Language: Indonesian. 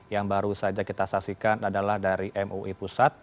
yang baru saja kita saksikan adalah dari mui pusat